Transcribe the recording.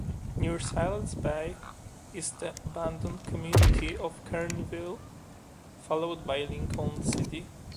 Near Siletz Bay is the abandoned community of Kernville, followed by Lincoln City.